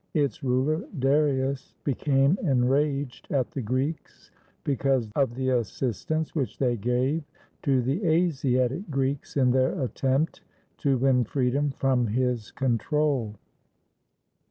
Its ruler, Darius, became enraged at the Greeks because of the assistance which they gave to the Asiatic Greeks in their attempt to win freedom from his con trol.